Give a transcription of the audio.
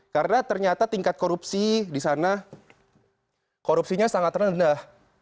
karena ternyata tingkat korupsi disana korupsinya sangat rendah